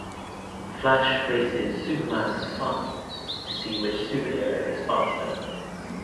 Flash races Superman for fun to see which superhero is faster.